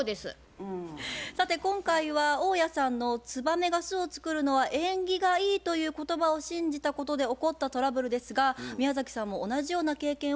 さて今回は大家さんの「ツバメが巣を作るのは縁起がいい」という言葉を信じたことで起こったトラブルですが宮崎さんも同じような経験はありますか？